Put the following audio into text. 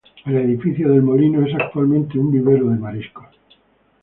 El edificio del molino es actualmente un vivero de mariscos.